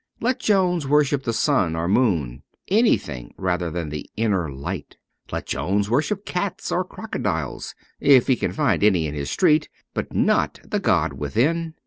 Let Jones worship the sun or moon — anything rather than the Inner Light ; let Jones worship cats or crocodiles, if he can find any in his street, but not the god within.